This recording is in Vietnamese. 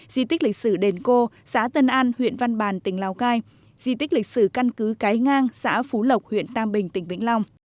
di tích lịch sử đền cô xã tân an huyện văn bàn tỉnh lào cai di tích lịch sử căn cứ cái ngang xã phú lộc huyện tam bình tỉnh vĩnh long